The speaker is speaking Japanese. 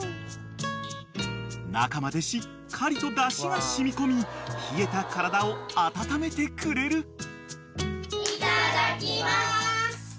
［中までしっかりとだしが染み込み冷えた体を温めてくれる］